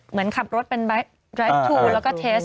เหมือนขับรถเป็นรายทูลแล้วก็เทส